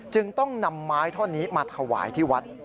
จึงต้องนำไม้ท่อนนี้มาถวายที่วัด